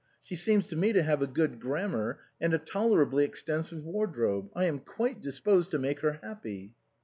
She seems to me to have good grammar and a tolerably extensive wardrobe. I am quite disposed to make her happy."